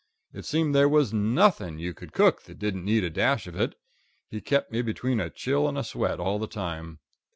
It seemed there was nothing you could cook that didn't need a dash of it. He kept me between a chill and a sweat all the time.